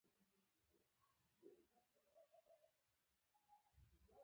د باب الغوانمه پر لوحه مې سترګې ولګېدې.